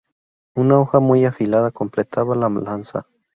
Una hoja muy afilada completaba la lanza.